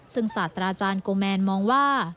ซึ่งศาสตราจารย์โกแมนมองว่า